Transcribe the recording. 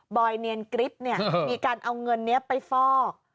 อยเนียนกริ๊บเนี่ยมีการเอาเงินนี้ไปฟอก